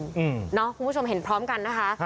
คุณผู้ชมเห็นพร้อมกันนะคะ